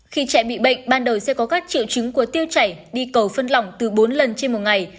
khi trẻ bị bệnh ban đầu sẽ có các triệu chứng của tiêu chảy đi cầu phân lỏng từ bốn lần trên một ngày